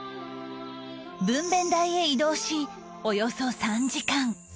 分娩台へ移動しおよそ３時間